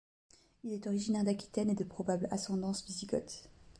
Il est originaire d'Aquitaine et de probable ascendance wisigothe.